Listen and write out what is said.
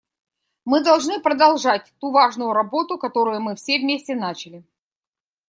Мы должны продолжать ту важную работу, которую мы все вместе начали.